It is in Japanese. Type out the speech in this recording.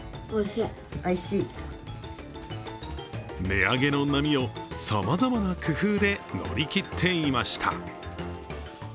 値上げの波をさまざまな工夫で乗り切っていました。